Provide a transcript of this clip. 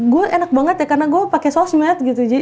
gue enak banget ya karena gue pakai sosmed gitu